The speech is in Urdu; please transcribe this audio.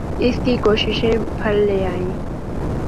اس کی کوششیں پھل لے آئیں۔